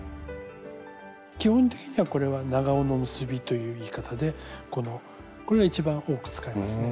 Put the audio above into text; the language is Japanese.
基本的にはこれは「長緒の結び」という言い方でこのこれが一番多く使いますね。